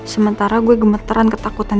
sementara gue gemeteran ketakutan